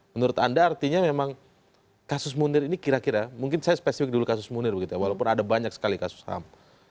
menurut anda artinya memang kasus munir ini kira kira mungkin saya spesifik dulu kasus munir begitu ya walaupun ada banyak sekali kasus ham